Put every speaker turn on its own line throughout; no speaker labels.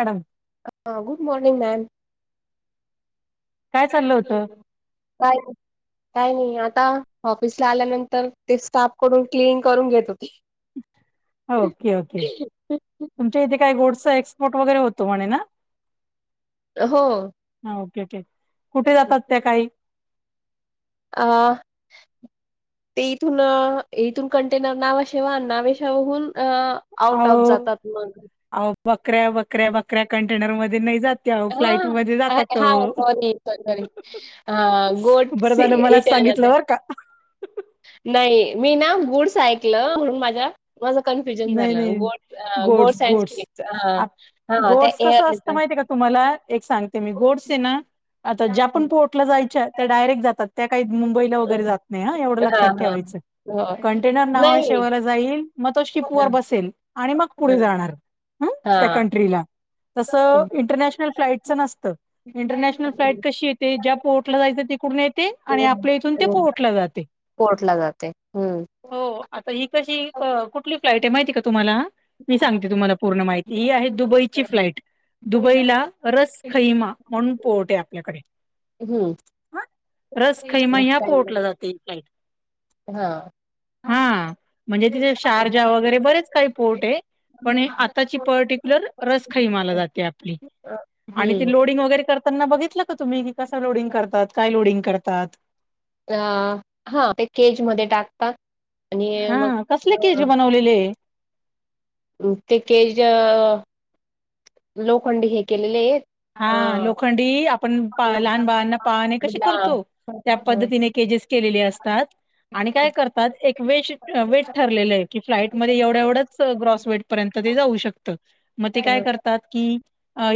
Madam
ह good morning ma'am
काय चाललं होतं.
काय- काय नाही आता ऑफिसला आल्यानंतर ते स्टाफ कडून क्लिनिंग करून घेत होते
ओके ओके तुमच्या इथे काही गोडचा एक्सपोर्ट वगैरे होतो म्हणे ना?
हो
हा ओके ओके कुठे जातात त्या काही?
अ ते इथून इथून कंटेनर नावाशेवा नावेशावहून अ आऊट ऑफ
अहो
जातात मग.
अहो बकऱ्या बकऱ्या बकऱ्या कंटेनरमध्ये नाही जात
[unintelligible]
त्या अहो फ्लाईट मध्ये जातात
हा
ओ. बरं
गोटस
झालं मलाच
इथ.
सांगितलं बरं का.
नाही मी ना गुडस ऐकलं म्हणून माझ्या माझा कन्फ्युजन
नाही
झाला
नाही
गोड गोड
गोड्स कस असतं माहितीय का तुम्हाला एक सांगते मी गोडसे ना आता ज्या पण पोटला जायच्या ते डायरेक्ट जातात. त्या काही मुंबईला वगैरे जात नाही हा एवढं लक्षात
हां, हां.
ठेवायचं
हो.
कंटेनर नाव
नाही.
शेवायला जाईल मग तो
हां,
शिपवर बसेल आणि मग
हां,
पुढे जाणार हंम्म त्या
हां.
कंट्रीला.
हं.
तसं इंटरनॅशनल फ्लाइटचं नसतं. इंटरनॅशनल फ्लाइट कशी येते. ज्या पोर्टला जायचं तिकडून येते आणि
हं,
आपल्या इथून ते
हं.
पोर्टला जाते.
कोर्टला जाते हम्म
हो आता ही कशी कुठली फ्लाइट आहे माहिती का तुम्हाला मी सांगते तुम्हाला पूर्ण माहिती. ही आहे दुबईची फ्लाईट दुबईला रसखैमा म्हणून पोर्ट आपल्याकडे
हं.
हं! रसखैमा ह्या पोर्टला जाते हि फ्लाइट.
हा
हम्म! म्हणजे तिथेस तारजा वगैरे बरेच काही पोर्ट आहे. पण हे आताची पर्टिक्युलर रस खईमाला जाते आपली आणि ती
हं.
लोडिंग वगैरे करताना बघितलं का तुम्ही कसा लोडिंग करतात. काय लोडिंग करतात.
अहा--हा ते केज मधे टाकतात आणि मग
हां, कसले केज बनवलेले?
ते केज लोखंडी हे केलेले आहेत.
हा, लोखंडी आपण पा लहान बाळांना पाळने कसे करतो त्या पद्धतीने केजेस केलेली असतात. आणि काय करतात एक वेश वेट ठरलेलं आहे की फ्लाईट मध्ये एवढं--एवढंच रस व पर्यंत जाऊ शकत मग ते काय करतात की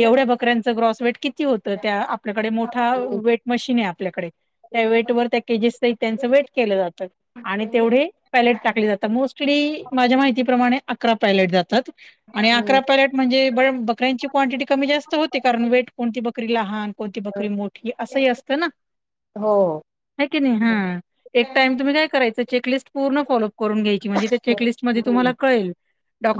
एवढ ककऱ्यांचं ग्रॉस वेट किती होतं. त्या आपल्याकडे मोठा वेट मशीन आहे आपल्याकडे त्या वेट वर त्या केजीसच आणि त्यांचं वेट केलं जातं आणि तेवढे पायलेट टाकले जातात. मोस्टली माझ्या माहितीप्रमाणे अकरा पायलेट जातात आणि अकरा पायलेट म्हणजे ब--बकऱ्यांची क्वांटिटी कमी जास्त होते कारण वेट कोणती बकरी लहान कोणती बकरी मोठी असंही असतं ना!
हो
आहे की नाही? हां. एक टाइम तुम्ही काय करायचं चेकलिस्ट पूर्ण फॉलोप करून घ्यायची म्हणजे त्या चेकलिस्ट मध्ये
हं.
तुम्हाला कळेल.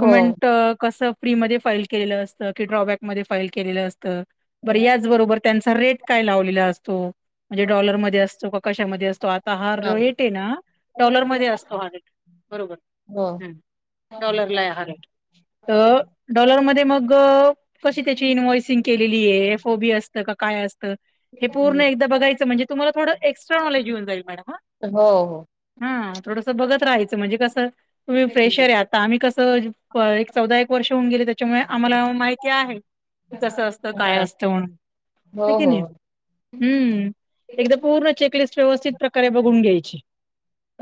हो.
फ्री मध्ये फाईल केलेलं असतं की ड्रॉबॅकमध्ये फाईल केलेलं असतं बरं याचबरोबर त्यांचा रेट काय लावलेला असतो, म्हणजे डॉलरमध्ये असतोका कशामध्ये असतो तो आता हा रेट आहे ना
हो.
डॉलर मध्ये
हो
असतो हा रेट बरोबर.
हो.
हम्मं
हा
डॉलरला हा रेट. त डॉलरमध्ये मग कशी त्याची चीन इन्व्हइसिंग केलेली आहे एफओबी असत का काय असत. हे पूर्ण एकदा बघायाच म्हणजे तुम्हाला थोडं एक्स्ट्रा नॉलेज येऊन जाईल मॅडम हा.
हो-हो.
हं थोडसं बघत राहायचं म्हणजे कसं. तुम्ही फ्रेशर आहे आता आम्ही कसं एक चौदा एक वर्ष होऊन गेले त्याच्यामुळे आम्हाला माहिती आहे. की कसं असतं काय असतं म्हणून. हाय की
हो-हो.
नाही हम्म एकदा पूर्ण चेकलिस्ट व्यवस्थित प्रकारे बघून घ्यायची.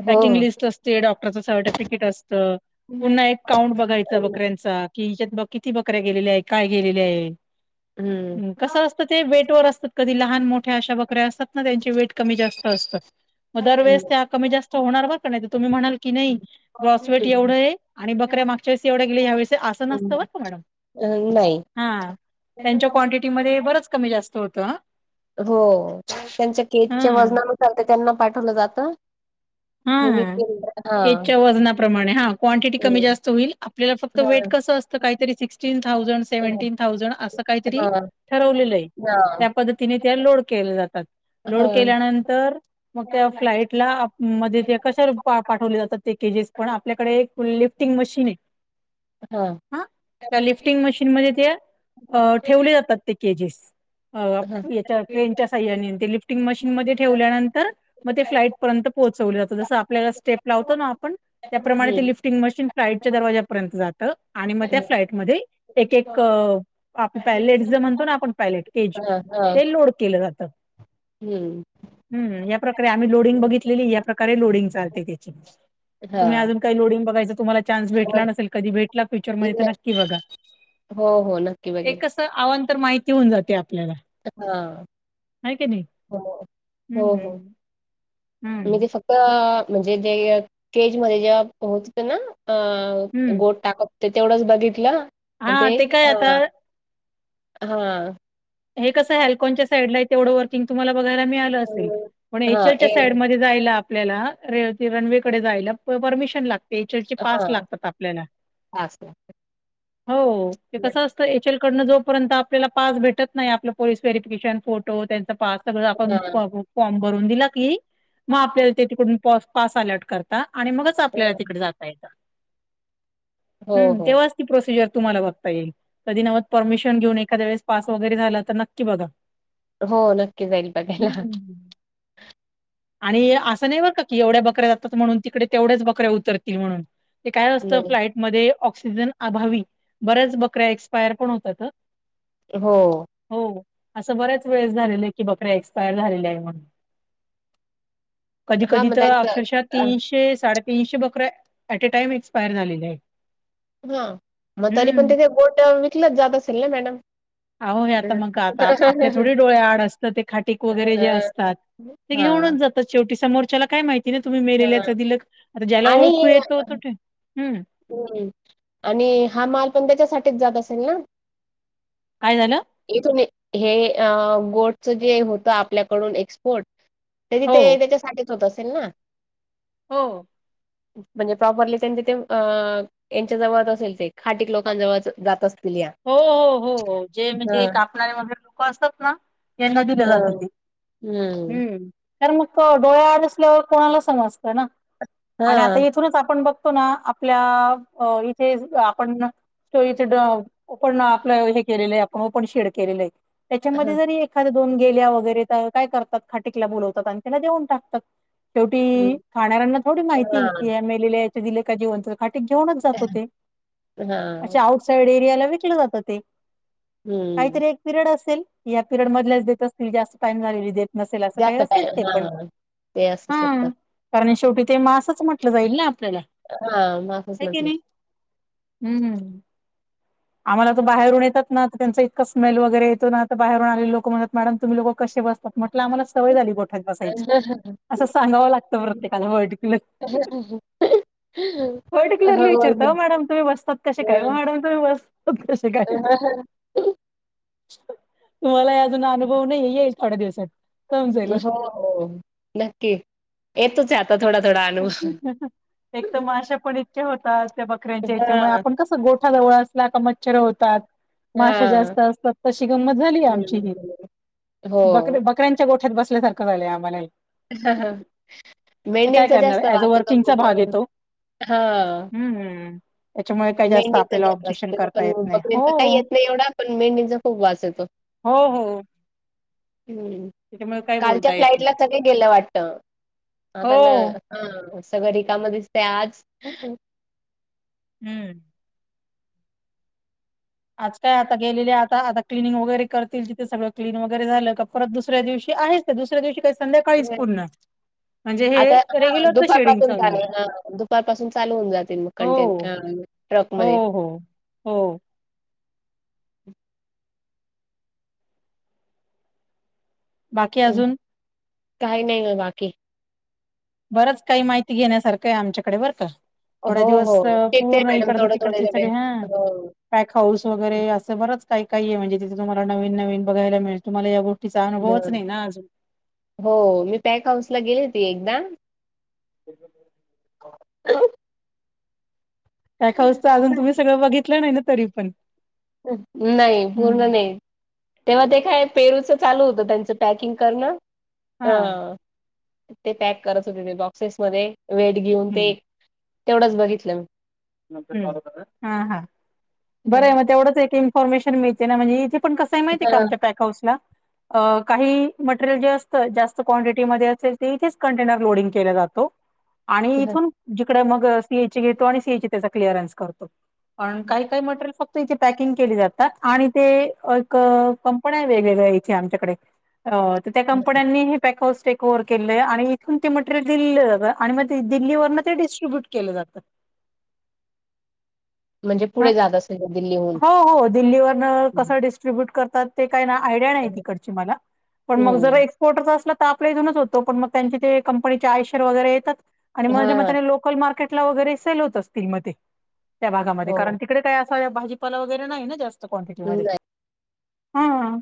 हो-हो.
तस ते डॉक्टरचं सर्टिफिकेट असतं
हम्म.
पुन्हा एक काउंट बघायच बकऱ्यांचा. कि हिच्यात बघ किती बकऱ्या गेलेल्या आहे काय गेलेल्या आहे. कसं असतं ते वेट वर असतात कधी लहान मोठ मोठ्या अशा बकऱ्या असतात ना त्यांची वेट कमी जास्त असतात. मग दरवेेळेस त्या कमी जास्त होणार बर का नाही तर तुम्ही म्हणाल की नाही. ग्रॉसवेट एवढं आहे आणि बकऱ्या मागच्या वेळेस एवढ्या गेल्या ह्यावेळेस असं नसतं बरं का मॅडम.
अ नाही.
हा त्यांच्या क्वांटिटीमध्ये बरंच कमी जास्त होतं.
हो त्यांच्या केच च्या
हां.
वजनानुसार ते त्यांना पाठवलं जातं. हे मी
हा
केलं
केचच्या
हा.
वजनाप्रमाणे हा क्वांटिटी कमी जास्त होईल. आपल्याला फक्त वेट
हां.
कसं असतं काहीरी सिक्स्टीन
हां.
थाउजंड
हां.
सेव्हन्टीन थाउजंड असं काही तरी
हां. हां. हां.
ठरवलेलं आहे त्या पद्धती तिने त्या लोड केल्या जातात लोड
हं.
केल्यानंतर मग
हां,
त्या
हां.
फ्लाईटला आप मध्ये ते कशा पाठवले
हं.
जातात ते केजेस पण आपल्याकडे एक फुल लिफ्टिंग मशीन आहे.
हां.
हा त्या
नक्की.
लिफ्टिंग मशीनमध्ये ते ठेवले जातात ते केजेस. या ट्रेनच्या सह्याने लिफ्टिंग मशीनमध्ये ठेवल्यानंतर मग ते फ्लाटपर्यंत ठेवल्या जातात जसं आपल्याला स्टेप लावतो ना आपण त्याप्रमाणे लिफ्टिंग मशीन फ्लाईटच्या दरवाजापर्यंत जात. आणि मग त्या फ्लाइटमध्ये एक-एक आप पॅलेट जे म्हणतो ना आपण पॅलेट केज ते लोड केलं जातं. हम्म या प्रकारे आम्ही लोडिंग बघित या प्रकारे लोडिंग चालती त्याची तुम्ही अजून काही लोडिंग बघायचं तुम्हाला चान्स भेटला नसेल कधी भेटला फ्युचर मध्ये तर नक्की बघा.
हो-हो नक्की
एक
बघेल.
कसं अवांतर माहिती होऊन जाते आपल्याला.
हां.
हाय का नाही
हो.
हम्म-हम्म.
मी ते फक्त म्हणजे जे केज मध्ये जेव्हा पोहोचते ना अ
हं.
गोठ टाकत होते तेवढंच बघितलं ते
हां, काय आता
हा.
हे कस हॅल्कॉनच्या साईड ला आहे तेवढं वर्किंग तुम्हाला बघायला मिळालं असेल पण एच
हां,
एलच्या साईड
एअर
मध्ये जायला आपल्याला र रनवेकडे जायला परमिशन लागते एच एल चे पास लागतात आपल्याला.
असा.
हो ते कसं असत. एच एल कडन जोपर्यंत आपल्याला पास भेटत नाय आपलं पोलीस व्हेरफिकेशन फोटो त्यांचा पास सगळ आपण
हां.
फॉर्म भरून दिला की मग आपल्या ते तिकडून पास अलर्ट करता आणि मगच आपल्याला तिकडे जाता येतं.
हो,
हम्म,
हो.
तेव्हाच ती प्रोसिजर तुम्हाला बघता येईल कधी नव परमिशन घेऊ एखाद्या वळेस पास जरी झालं तर नक्की बघा.
हो, नक्की जाईल बघायला.
हम्म, आणि आस नाय बर का की एवढ्या बकऱ्या लागतात म्हणून तिकडे तेवढ्याच बऱ्या उतरतील म्हणून. ते काय असतं
नाही.
फ्लाइटमध्ये ऑक्सिजन अभावी बऱ्याच बकऱ्या एक्सपायर पण होतात अ.
हो.
हो असं बऱ्याच वेळेस झालेलं आय की बकऱ्या एक्सपायर झालेल्या आय म. कधी
हा
कधी
मग
तर अक्षरशा
त्यांचं
तीनशे साडेतीनशे बकऱ्या ॲट टाईम एक्स पायर झालेल्या आयत.
हा मग तरी पण तिथे गोट्यावर विकलत जात असेल ना मॅडम?
अहो हे आता मग आता आपल्या थोडी डोळ्या आड असतं ते खाटक वगैरे जे असतात ते
हा हा
घेऊनच जातात. शेवटी समोरच्याला काय माहिती ना तुम्ही मेलेल्याच दिलं आता ज्याला
आणि
ओळखू येतो तो हम्म
हम्म, आणि हा माल पण त्याच्यासाठीच जात असेल ना? काय झाल? इथून हे गोडचं जे होतं आपल्याकडून एक्सपोर्ट त्येंनी
हो
ते त्याच्यासाठीच होत असेल ना?
हो.
म्हणजे प्रॉपरली त्यांच्या ते त्यांच्या जवळ असेल ते. खाटिक लोकांजवळच जात अस
हो हो हो जे म्हणजे कापणारे वगैरे लोक असतात ना. यांना दिल जात
हा
ते.
हम्म.
तर मग तो डोळ्या नसल्यावर कोणाला समजतं ना. आणि आता
हा
इथूनच आपण बघतो ना आप ल्या इथेच आपण सोइचे ड ओपन आपलं हे केलेलं ओपन शेड केलेले आय. त्याच्यामध्ये जरी एखाद्या दोन गेल्या वगैरे तर काय करतात खटिकला बोलवतात आणि त्याला देऊन टाकतात. शेवटी
हां,
खाणाऱ्यांना थोडी माहिती कि या मेलेल्या याच्या दिले का जीवंत. खटिक घेऊनच जातो ते अशे
हां.
आउटसाइड एरियाला विकलं जातं ते.
हं.
कायतरी एक पिरियड असेल या पिरियड मधल्याच देत असतील जास्त टाइम झालेली देत नसेल असं काय
जास्त
असेल ते पण.
हां, ते असू
हा
शकत.
कारण शेवटी ते मासच म्हटलं जाईल ना आपल्याला
हां, मग असंच
हो का
म्हटलं.
नाई. हम्म, आम्हाला तर बाहेरून येतात ना त्यांच स्मेल वगैर येतो ना आता बाहेरून आलेली लोक म्हणत मॅडम तुम्ही लोक कशे बस तात? म्हटलं आम्हाला सवय झाली गोठात बसायची. असं सांगावं लागतं प्रत्येकाला पर्टिक्युलर.
[unintelligible]
पर्टिक्युलरली
हो
विचारता
ना.
ओ मॅडम तुम्ही बसतात कसे काय ओ
हां.
मॅडम तुम्ही बस तात कशे काय? तुम्हाला ही अजून अनुभव नाई येईल थोड्या दिवसात समजेल.
हो, हो नक्की येतोच आ थोडा थोडा आता अनुभव.
एक तर माश्या पण इतक्या होतात त्या बकऱ्यांच्या याच्यामुळे
हां,
आपण कस गोठा जवळ ला का मच्छर होतात माशा
हां.
जास्त असतात तशी गंमत झाली आमची
हं.
ही
हो
बक बकऱ्यांच्या गोठ्यात बसल्यासारखं झालंय आम्हाला काय
मेंढींचा
करणार
जास्त
ऍज अ
वास
वर्किंगचा भाग
येतो. हा
हम्म. त्याच्यामुळे काही जास्त
मेंढचा
आपल्याला
दिस
ऑब्जेक्शन
असत
करता
पण
येत
बघ
नाही.
तर काही
हो,
येत नाही एवढा पण मेंढींचा खूप वास येतो.
हो हो
ह्
त्याच्यामुळे काही
कालच्या
बोलता येत
फ्लाइटला
नाही.
सगळे गेले वाटत आता न
हो.
हा सगळ रिकाम दिसते आज.
हम्म आज काय आता गेलेले आता आता क्लनिंग वगैरे करतील तिथे सगळं क्लीन वगैरे झालं का परत दुसऱ्या दिवशी आहेच ते दुसऱ्या दिवशी कस संध्याकाळीच पूर्ण म्हणजे हे
आता हा
रेग्युलरच
दुपार
शेडिंग
पासून चालू
आहे.
हा दुपारपासून चालू होऊन जातील मग
हो,
कंटेंट ह
हो हो, हो
बाकी अजून? काही नाही हो बाकी.
बरंच काही माहिती घेण्यासारखं आहे आमच्याकडे बरं का! थोड्या
हो
दिवस
हो शिकते
पूर्ण
मॅडम
इकडच
थोडे थोडे
तिकडचे
थोडे
सगळे हा
हो.
पॅक हाऊस वगैरे असं बरच काही काही आहे म्हणजे तिथे तुम्हा नन नवीन बघायला मिळेल तुम्हाला या गो तिचा अनुभवच
हं,
नाही ना अजून.
हो मी पॅक हाऊस ला गेली होती एकदा
[unintelligible]
[unintelligible]
पॅक हाउस च अजून तुम्ही सगळं बघितलं नाही ना तरी पण?
नाही पूर्ण नाही तेव्हा ते काय पेरूच चालू होतं त्यांचं पॅकिंग करणं,
हा
अ. ते पॅक करत होते ते बॉक्सेस मध्ये वेट घेऊन ते तेवढंच बघितलं मी
हा ह
मी.
बरं मग तेवढंच एक इन्फॉर्मेशन मिळते ना म्हणजे इथे पण कस कसे माहिती का आमच्या पॅक हाऊस ला, अ काही मटेरियल जे असतं जास्त क्वांटिटी मध्ये असेल ते इथेच कंटेनर लोडिंग केला जातो आणि इथून जिकडे मग पी एच ए घेतो आणि सीए ची त्याचा क्लिअरन्स करतो पण काही काही मटेरियल फक्त इथे पॅकिंग केली जातात आणि ते एक कंपन्या वेगवेगळ्या इथे आमच्याकडे अ त्या
हा
कंपन्यांनी हे पॅक हाऊस कोअर केलेय आणि इथून ते मटेरियल दिल्लीला जात आणि मग दिल्लीवरन ते डिस्ट्रीब्यूट केलं जातं
म्हणजे
हं.
पुढे जात असेल लगेच.
हो हो दिल्लीवरन कसं डिस्ट्रीब्युट करतात ते काय ना आयडिया नाही तिकडची मला पण मग जर
हम्म
एक्सपोर्टरच असलं तर आपला इथूनच होतो पण मग त्यांचे ते कंपनीचे आयशर वगैरे येतात आणि म्हणजे मग
हा
त्या लोकल मार्केटला वगैरे सेल होत असतील मग ते त्या भागामध्ये कारण तिकडे काय असा भाजीपाला वगैरे नाही ना जास्त
हो.
क्वांटिटीमध्ये हम्म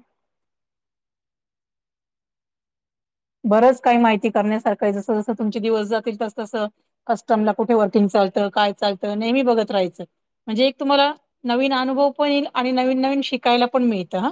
बरंच काही माहिती करण्यासारखं जस जसं तुमचे दिवस जातील तस तसं कस्टम ला कुठे वर्किंग चालतं काय चालतं नेहमी बघत राहायचं म्हणजे एक तुम्हाला नवीन अनुभव पण येईल, आणि नवीन नवीन शिकायला पण मिळतं हं.